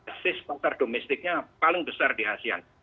basis pasar domestiknya paling besar di asean